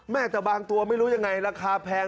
แต่บางตัวไม่รู้ยังไงราคาแพง